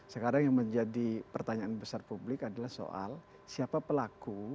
sekarang yang menjadi pertanyaan besar publik adalah soal siapa pelaku